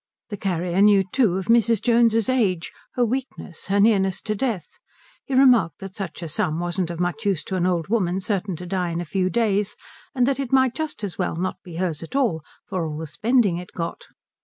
The carrier knew too of Mrs. Jones's age, her weakness, her nearness to death. He remarked that such a sum wasn't of much use to an old woman certain to die in a few days, and that it might just as well not be hers at all for all the spending it got.